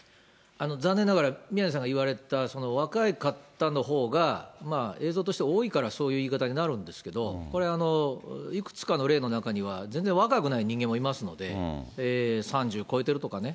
残念ながら、宮根さんが言われた若い方のほうが映像として多いからそういう言い方になるんですけど、これ、いくつかの例の中には全然若くない人間もいますので、３０超えてるとかね。